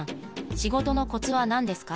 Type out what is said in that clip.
仕事のコツは何ですか？